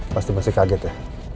pasti masih kaget ya